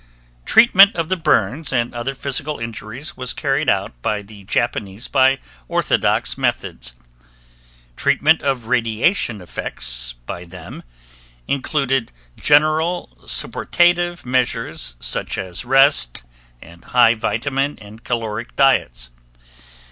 Treatment of the burns and other physical injuries was carried out by the Japanese by orthodox methods. Treatment of radiation effects by them included general supportative measures such as rest and high vitamin and caloric diets.